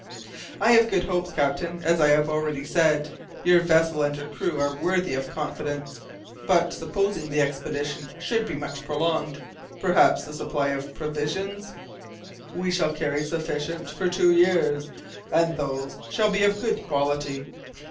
"I have good hopes, captain, as I have already said. Your vessel and her crew are worthy of confidence. But, supposing the expedition should be much prolonged, perhaps the supply of provisions " "We shall carry sufficient for two years, and those shall be of good quality.